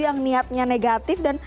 yang niatnya negatif dan